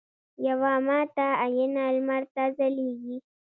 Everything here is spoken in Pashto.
یوه ماته آینه لمر ته ځلیږي